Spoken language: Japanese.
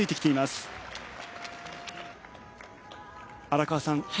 荒川さん